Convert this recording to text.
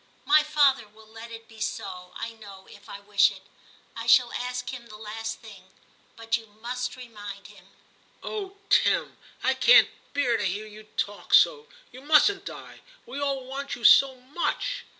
My father will let it be so, I know, if I wish it ; I shall ask him the last thing. But you must remind him.' * Oh ! Tim, I can't bear to hear you talk so. You mustn't die ; we all want you so much.